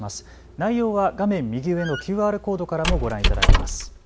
内容は画面右上のＱＲコードからもご覧いただけます。